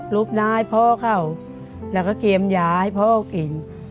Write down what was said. บหน้าให้พ่อเขาแล้วก็เตรียมยาให้พ่อกิน